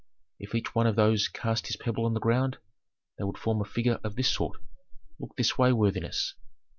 If each one of those cast his pebble on the ground, they would form a figure of this sort. Look this way, worthiness."